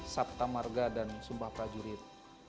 sabta marga dan sumpah prajurit